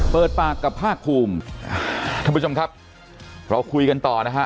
เปิดปากกับภาคภูมิท่านผู้ชมครับเราคุยกันต่อนะฮะ